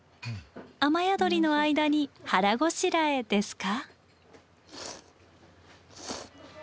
雨宿りの間に腹ごしらえですか？